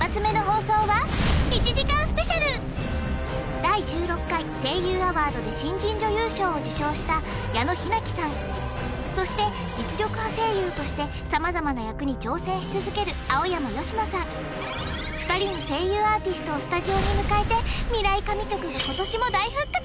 第十六回声優アワードで新人女優賞を受賞したそして実力派声優として様々な役に挑戦し続ける２人の声優アーティストをスタジオに迎えて未来神曲今年も大復活！